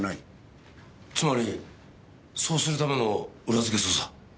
つまりそうするための裏づけ捜査。